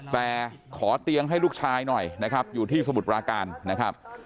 แต่ขอเตียงให้ลูกชายหน่อยนะครับอยู่ที่สมุทรปราการนะครับ